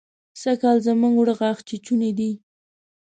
سرکال زموږ اوړه غاښ چيچوني دي.